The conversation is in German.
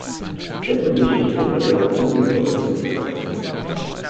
Dessen Geschichte verläuft ungebrochen bis heute.